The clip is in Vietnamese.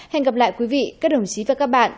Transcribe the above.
hẹn gặp lại quý vị các đồng chí và các bạn